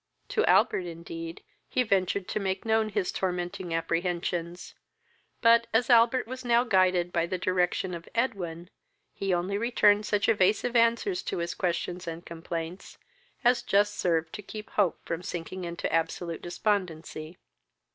To Albert, indeed, he ventured to make known his tormenting apprehensions; but, as Albert was now guided by the direction of Edwin, he only returned such evasive answers to his questions and complaints, as just served to keep hope from sinking into absolute despondency.